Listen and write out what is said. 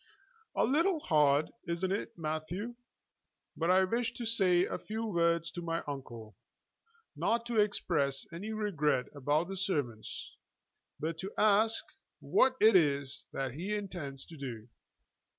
"A little hard, isn't it, Matthew? But I wish to say a few words to my uncle, not to express any regret about the sermons, but to ask what it is that he intends to do."